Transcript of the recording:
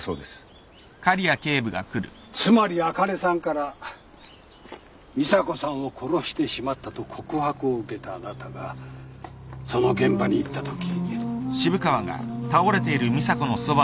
つまりあかねさんから「美砂子さんを殺してしまった」と告白を受けたあなたがその現場に行ったとき。